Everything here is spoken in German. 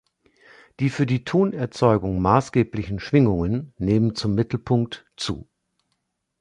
Die für die Tonerzeugung maßgeblichen Schwingungen nehmen zum Mittelpunkt zu.